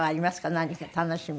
何か楽しみは。